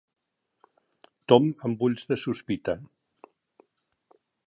Tom amb ulls de sospita.